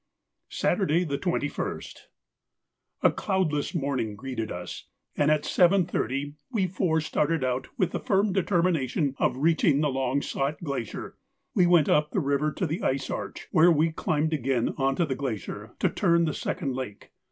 Saturday, the 21st.—A cloudless morning greeted us, and at 7.30 we four started out with the firm determination of reaching the long sought glacier. We went up the river to the ice arch, where we climbed again on to the glacier to turn the second lake.